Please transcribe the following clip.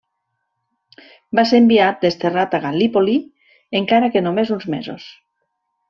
Va ser enviat desterrat a Gal·lípoli encara que només uns mesos.